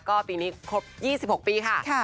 ก็ปีนี้ครบ๒๖ปีค่ะ